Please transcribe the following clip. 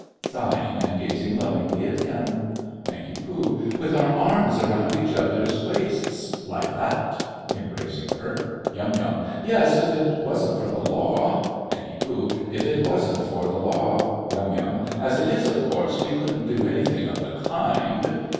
(Sighing and gazing lovingly at him.) NANK. With our arms round each other's waists, like that. (Embracing her.) YUM. Yes, if it wasn't for the law. NANK. If it wasn't for the law. YUM. As it is, of course we couldn't do anything of the kind.